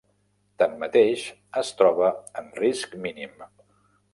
Tanmateix, es troba en risc mínim.